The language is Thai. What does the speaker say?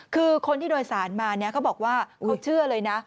คือคนที่โดยสารมาเนี่ยเขาบอกว่าเขาเชื่อเลยนะ